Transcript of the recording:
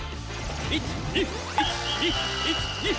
１２１２１２！